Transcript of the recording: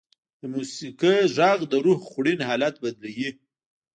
د موسیقۍ ږغ د روح خوړین حالت بدلوي.